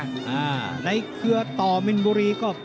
ส่วนคู่ต่อไปของกาวสีมือเจ้าระเข้ยวนะครับขอบคุณด้วย